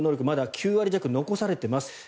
まだ９割弱残されています。